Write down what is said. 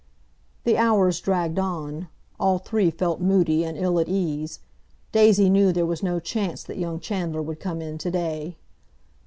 The hours dragged on. All three felt moody and ill at ease. Daisy knew there was no chance that young Chandler would come in to day.